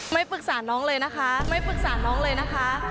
ไม่ปรึกษาน้องเลยนะคะไม่ปรึกษาน้องเลยนะคะ